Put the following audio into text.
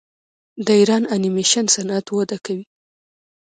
د ایران انیمیشن صنعت وده کوي.